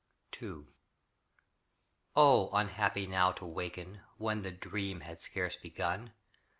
II Oh, unhappy now to waken When the dream had scarce begun!